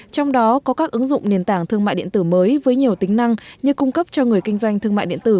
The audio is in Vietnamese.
trong đó có các ứng dụng nền tảng thương mại điện tử mới với nhiều tính năng như cung cấp cho người kinh doanh thương mại điện tử